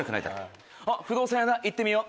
不動産屋行ってみよう！